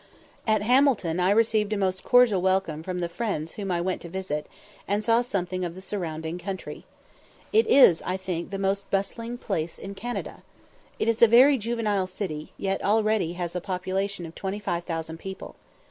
At Hamilton I received a most cordial welcome from the friends whom I went to visit, and saw something of the surrounding country. It is, I think, the most bustling place in Canada. It is a very juvenile city, yet already has a population of twenty five thousand people.